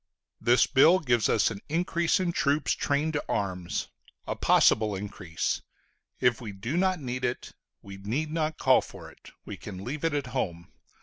The bill gives us an increase in troops trained to arms a possible increase: if we do not need it, we need not call for it; we can leave it at home.